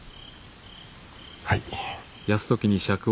はい。